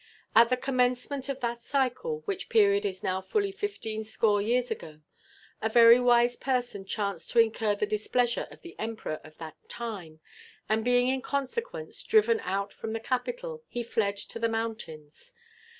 At the commencement of that cycle, which period is now fully fifteen score years ago, a very wise person chanced to incur the displeasure of the Emperor of that time, and being in consequence driven out of the capital, he fled to the mountains.